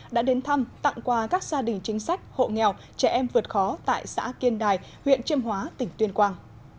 đã đến thăm tặng quà các gia đình chính sách hộ nghèo trẻ em vượt khó tại xã kiên đài huyện chiêm hóa tỉnh tuyên quang